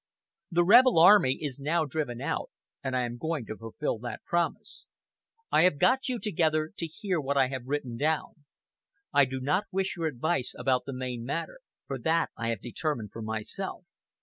The rebel army is now driven out, and I am going to fulfil that promise. I have got you together to hear what I have written down. I do not wish your advice about the main matter, for that I have determined for myself.